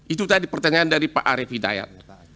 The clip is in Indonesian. itu tadi pertanyaan dari pak arief hidayat